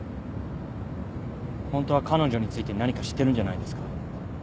ホントは彼女について何か知ってるんじゃないですか？